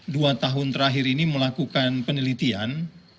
dua tahun terakhir ini melakukan penelitian